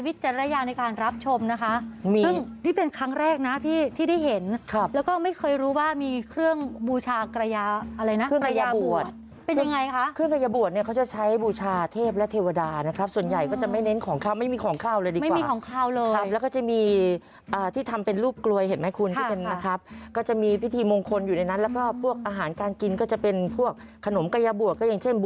บูชากระยะอะไรนะกระยะบวชเป็นอย่างไรคะขึ้นกระยะบวชเนี่ยเขาจะใช้บูชาเทพและเทวดานะครับส่วนใหญ่ก็จะไม่เน้นของข้าวไม่มีของข้าวเลยดีกว่าไม่มีของข้าวเลยครับแล้วก็จะมีที่ทำเป็นรูปกลวยเห็นไหมคุณที่เป็นนะครับก็จะมีพิธีมงคลอยู่ในนั้นแล้วก็พวกอาหารการกินก็จะเป็นพวกขนมกระยะบวชก็อย่างเช่นบ